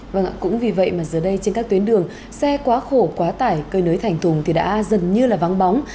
vâng ạ cũng vì vậy mà giờ đây trên các tuyến đường xe quá khổ quá tải cơi nới thành thùng thì đã gần như là vắng bóng